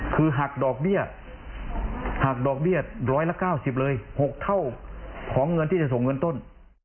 คือหักดอกเบี้ยมร้อยละ๙๐๔๐๖เท่าของเงินจะส่งเงินต้น